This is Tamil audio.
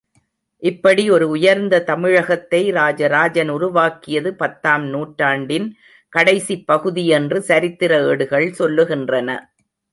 இப்படி ஒரு உயர்ந்த தமிழகத்தை ராஜராஜன் உருவாக்கியது பத்தாம் நூற்றாண்டின் கடைசிப் பகுதி என்று சரித்திர ஏடுகள் சொல்லுகின்றன.